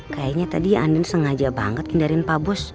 kayaknya tadi andien sengaja banget hindarin pak bos